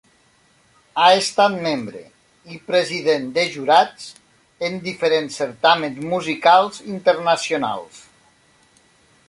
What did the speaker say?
Ha estat membre i president de jurats en diferents certàmens musicals internacionals.